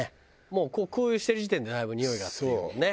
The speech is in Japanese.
もう空輸してる時点でだいぶにおいがっていうもんね。